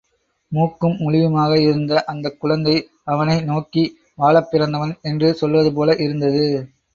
மூக்கும் முழியுமாக இருந்த அந்தக் குழந்தை அவனை நோக்கி வாழப்பிறந்தவன் என்று சொல்வது போல இருந்தது.